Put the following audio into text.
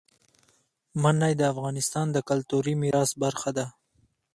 منی د افغانستان د کلتوري میراث برخه ده.